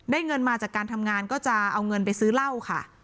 เงินมาจากการทำงานก็จะเอาเงินไปซื้อเหล้าค่ะ